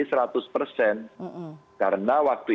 karena waktu itu ada perubahan vaksin